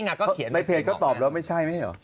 ในเพล็ดเขาตอบไม่ใช่